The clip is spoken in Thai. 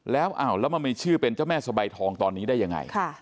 แล้วมันมีชื่อเป็นเจ้าแม่สบายทองตอนนี้ได้ยังไง